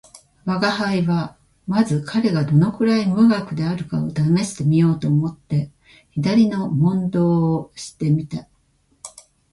吾輩はまず彼がどのくらい無学であるかを試してみようと思って左の問答をして見た